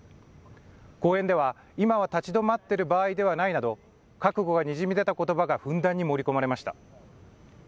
講演では、今は立ち止まっている場合ではないなど、覚悟がにじみ出たことばが、ふんだんに盛り込まれました。